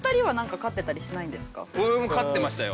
俺飼ってましたよ。